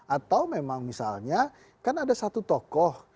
atau memang misalnya kan ada satu tokoh